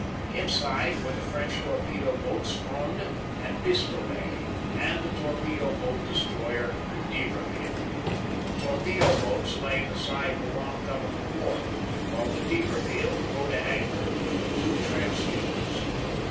Inside were the French torpedo boats Fronde and Pistolet and the torpedo boat destroyer D'Iberville. The torpedo boats lay beside the long Government wharf, while the D'Iberville rode at anchor between two tramp steamers.